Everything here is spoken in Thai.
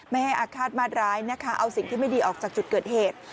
ไม่ให้อาฆาตมาดร้ายนะคะเอาสิ่งที่ไม่ดีออกจากจุดเกิดเหตุ